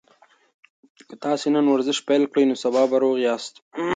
که تاسي نن ورزش پیل کړئ نو سبا به روغ یاست.